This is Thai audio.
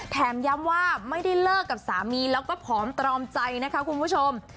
ย้ำว่าไม่ได้เลิกกับสามีแล้วก็ผอมตรอมใจนะคะคุณผู้ชม